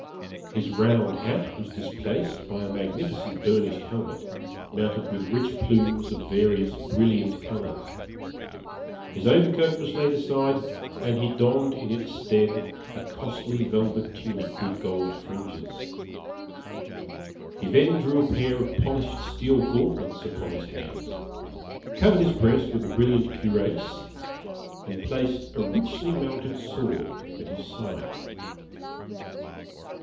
His round hat was displaced by a magnificent burnished helmet, mounted with rich plumes of various brilliant colors. His overcoat was laid aside, and he donned in its stead a costly velvet tunic with gold fringes. He then drew a pair of polished steel gauntlets upon his hands, covered his breast with a brilliant cuirass, and placed a richly mounted sword at his side.